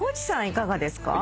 いかがですか？